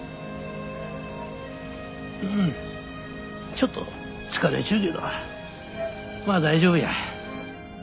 ちょっと疲れちゅうけどまあ大丈夫や。